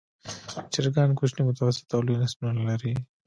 چرګان کوچني، متوسط او لوی نسلونه لري.